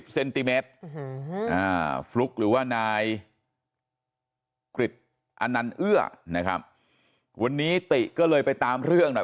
เซนติเมตรฟลุ๊กหรือว่านายกริจอนันเอื้อนะครับวันนี้ติก็เลยไปตามเรื่องหน่อย